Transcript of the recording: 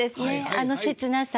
あの切なさ。